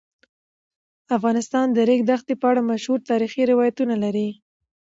افغانستان د د ریګ دښتې په اړه مشهور تاریخی روایتونه لري.